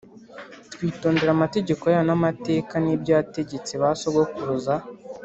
twitondera amategeko yayo n’amateka n’ibyo yategetse ba sogokuruza